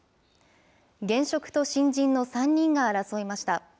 現職と新人の３人が争いました。